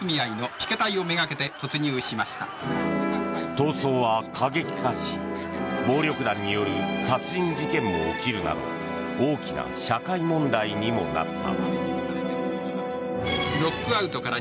闘争は過激化し暴力団による殺人事件も起きるなど大きな社会問題にもなった。